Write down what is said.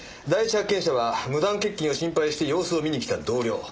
第一発見者は無断欠勤を心配して様子を見に来た同僚。